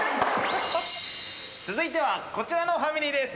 続いてはこちらのファミリーです。